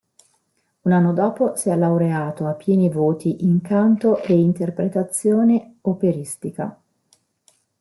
Un anno dopo si è laureato a pieni voti in canto e interpretazione operistica.